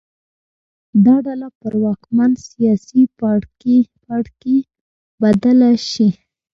دا ډله پر واکمن سیاسي پاړکي بدله شي